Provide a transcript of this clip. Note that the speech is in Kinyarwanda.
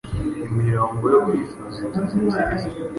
Imirongo yo Kwifuza Inzozi nziza,